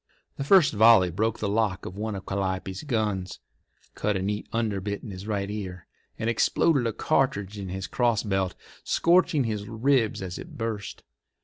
The first volley broke the lock of one of Calliope's guns, cut a neat underbit in his right ear, and exploded a cartridge in his crossbelt, scorching his ribs as it burst.